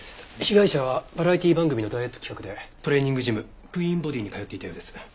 被害者はバラエティー番組のダイエット企画でトレーニングジムＱｕｅｅｎｂｏｄｙに通っていたようです。